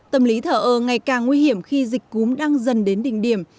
tâm lý thờ ơ ngày càng nguy hiểm khi dịch cúm đang dần đến đỉnh điểm